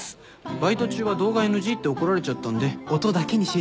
バイト中は動画ＮＧって怒られちゃったんで音だけに集中してて。